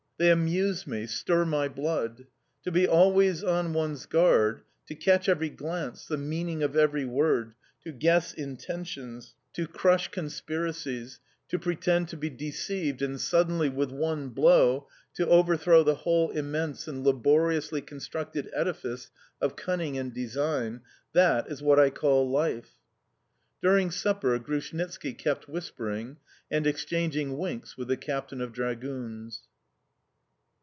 They amuse me, stir my blood. To be always on one's guard, to catch every glance, the meaning of every word, to guess intentions, to crush conspiracies, to pretend to be deceived and suddenly with one blow to overthrow the whole immense and laboriously constructed edifice of cunning and design that is what I call life. During supper Grushnitski kept whispering and exchanging winks with the captain of dragoons.